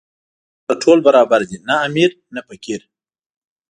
هلته ټول برابر دي، نه امیر نه فقیر.